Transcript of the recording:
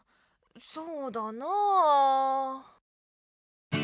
そうだなあ。